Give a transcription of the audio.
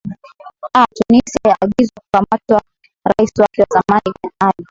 a tunisia ya agizwa kukamatwa rais wake wa zamani ben ali